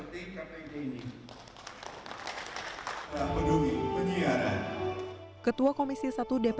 tiga dua satu